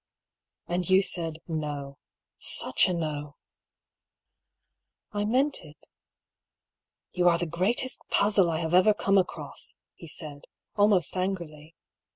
" And you said 'iVb.' Such a No !"" I meant it." "You are the greatest puzzle I have ever come across," he said, almost angrily.